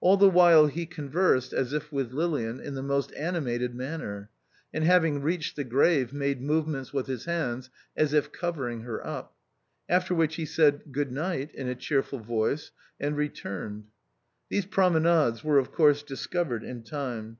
Ail the while he conversed (as if with Lilian) in the most animated manner, and having reached the grave, made movements with his hands as if covering her up ; after which he said, "Good night" in a cheerful voice, and re turned. These promenades were of course discovered in time.